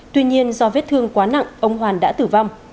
tuy nhiên do vết thương quá nặng ông hoàn đã tử vong